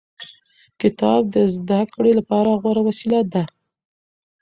کتاب د زده کړې لپاره غوره وسیله ده.